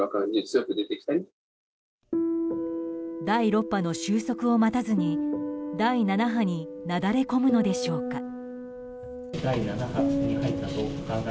第６波の収束を待たずに第７波になだれ込むのでしょうか。